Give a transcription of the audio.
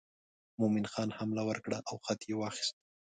مومن خان حمله ور کړه او خط یې واخیست.